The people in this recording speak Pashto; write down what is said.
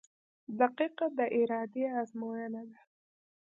• دقیقه د ارادې ازموینه ده.